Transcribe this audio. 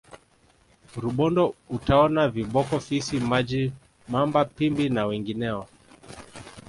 rubondo utaona viboko fisi maji mamba pimbi na wengineo